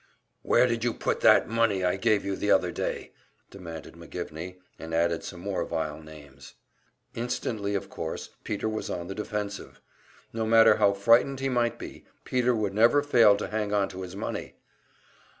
"Where did you put that money I gave you the other day;" demanded McGivney, and added some more vile names. Instantly, of course, Peter was on the defensive. No matter how frightened he might be, Peter would never fail to hang on to his money.